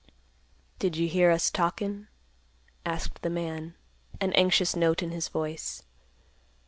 "Did you hear us talkin'?" asked the man, an anxious note in his voice.